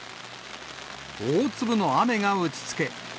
大粒の雨が打ちつけ。